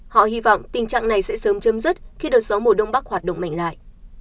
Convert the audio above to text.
họ hy vọng tình trạng này sẽ sớm chấm dứt khi đợt gió mùa đông bắc hoạt động mạnh lại